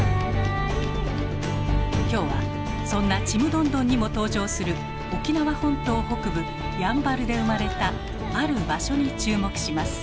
今日はそんな「ちむどんどん」にも登場する沖縄本島北部やんばるで生まれたある場所に注目します